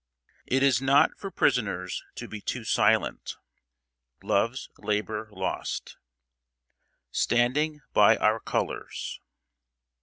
It is not for prisoners to be too silent. LOVE'S LABOR LOST. [Sidenote: STANDING BY OUR COLORS.